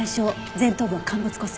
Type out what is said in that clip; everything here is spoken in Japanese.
前頭部は陥没骨折。